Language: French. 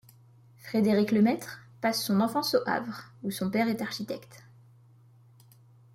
Frédérick Lemaître passe son enfance au Havre où son père est architecte.